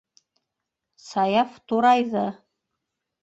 Саяф турайҙы: